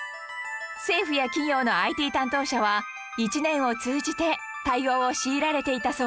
政府や企業の ＩＴ 担当者は１年を通じて対応を強いられていたそうです